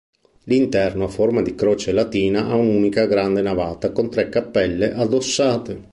L'interno a forma di croce latina ha un'unica grande navata con tre cappelle addossate.